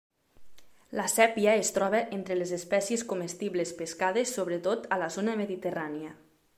La sèpia es troba entre les espècies comestibles, pescades sobretot a la zona mediterrània.